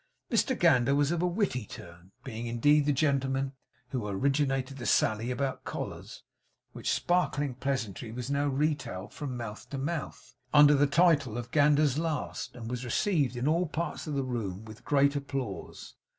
Mr Gander was of a witty turn being indeed the gentleman who had originated the sally about 'collars;' which sparkling pleasantry was now retailed from mouth to mouth, under the title of Gander's Last, and was received in all parts of the room with great applause.